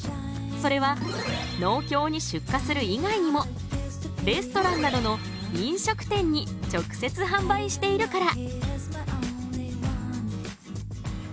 それは農協に出荷する以外にもレストランなどの飲食店に直接販売しているから！